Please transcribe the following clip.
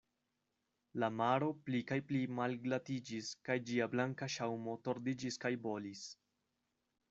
La maro pli kaj pli malglatiĝis kaj ĝia blanka ŝaŭmo tordiĝis kaj bolis.